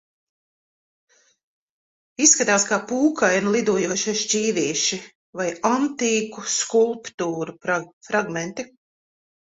Izskatās kā pūkaini lidojošie šķīvīši vai antīku skulptūru fragmenti.